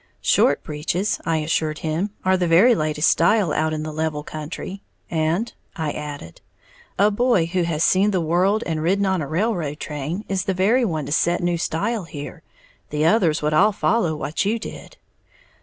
"Short breeches," I assured him, "are the very latest style out in the level country; and," I added, "a boy who has seen the world and ridden on a railroad train is the very one to set new styles here, the others would all follow what you did."